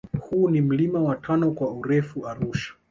Huu ni mlima wa tano kwa urefu Arusha